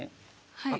はい。